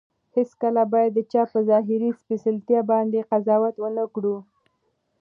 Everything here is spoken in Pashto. هیڅکله باید د چا په ظاهري سپېڅلتیا باندې قضاوت ونه کړو.